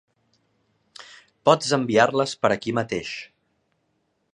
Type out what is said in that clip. Pot enviar-les per aquí mateix.